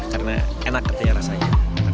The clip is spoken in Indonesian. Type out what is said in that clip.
karena enak rasanya